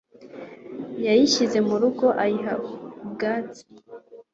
yayishyize mu rugo ayiha ubwatsi.